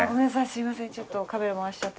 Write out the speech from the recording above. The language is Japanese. すいません。